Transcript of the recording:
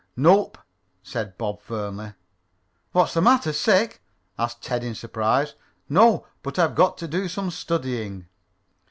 "Nope," said Bob firmly. "What's the matter? Sick?" asked Ted in surprise. "No, but I've got to do some studying."